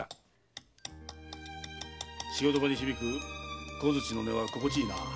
仕事場に響く小槌の音は心地いいな。